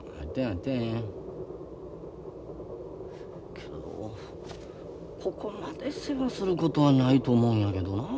けどここまで世話することはないと思うんやけどなあ。